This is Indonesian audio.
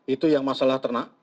itu yang masalah ternak